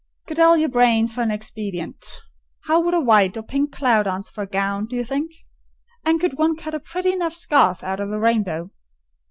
Cudgel your brains for an expedient. How would a white or a pink cloud answer for a gown, do you think? And one could cut a pretty enough scarf out of a rainbow."